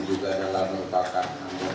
juga adalah merupakan